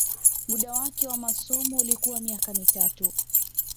Muda wake wa masomo ulikuwa miaka mitatu